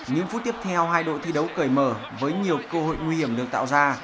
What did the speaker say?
những phút tiếp theo hai đội thi đấu cởi mở với nhiều cơ hội nguy hiểm được tạo ra